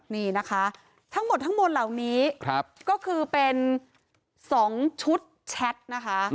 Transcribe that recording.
นี่นะคะทั้งหมดทั้งมวลเหล่านี้ก็คือเป็น๒ชุดแชทนะคะ